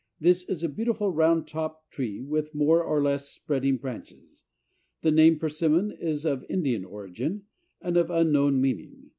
This is a beautiful round topped tree with more or less spreading branches. The name Persimmon is of Indian origin and of unknown meaning.